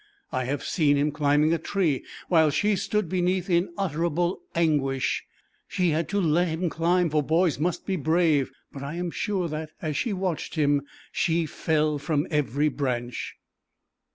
I have seen him climbing a tree while she stood beneath in unutterable anguish; she had to let him climb, for boys must be brave, but I am sure that, as she watched him, she fell from every branch.